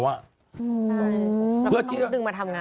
ใช่เพราะต้องดึงมาทำงาน